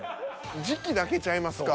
時期だけちゃいますか？